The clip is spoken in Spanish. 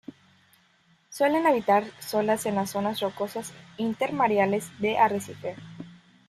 Suelen habitar solas en las zonas rocosas intermareales de arrecife.